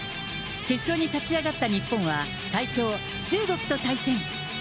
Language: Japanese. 決勝に勝ち上がった日本は、最強、中国と対戦。